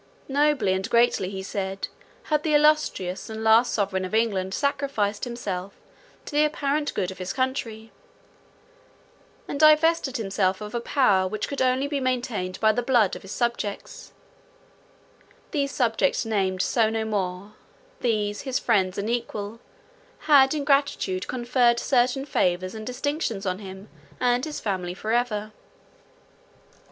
Nobly and greatly, he said, had the illustrious and last sovereign of England sacrificed himself to the apparent good of his country, and divested himself of a power which could only be maintained by the blood of his subjects—these subjects named so no more, these, his friends and equals, had in gratitude conferred certain favours and distinctions on him and his family for ever.